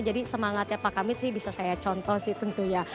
jadi semangatnya pak kamit sih bisa saya contoh sih tentunya